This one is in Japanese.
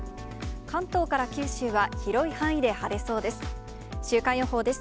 関東から九州は、広い範囲で晴れそうです。